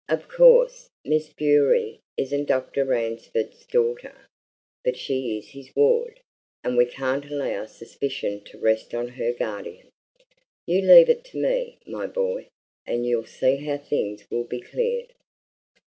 Of course, Miss Bewery isn't Dr. Ransford's daughter, but she's his ward, and we can't allow suspicion to rest on her guardian. You leave it to me, my boy, and you'll see how things will be cleared!"